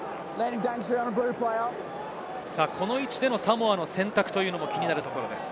この位置でのサモアの選択も気になるところです。